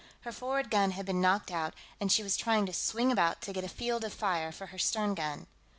Her forward gun had been knocked out, and she was trying to swing about to get a field of fire for her stern gun.